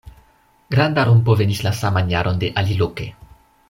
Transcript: Granda rompo venis la saman jaron de aliloke.